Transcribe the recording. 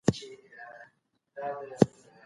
په هند کې د خطي نسخو لپاره لابراتوار سته.